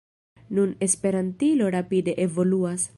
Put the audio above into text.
Nun Esperantilo rapide evoluas.